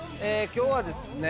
今日はですね